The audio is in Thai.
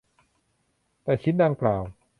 แต่ชิ้นดังกล่าว